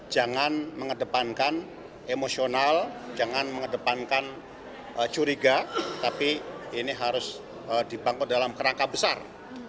jangan mengedepankan emosional jangan mengedepankan curiga tapi ini harus dibangun dalam kerangka besar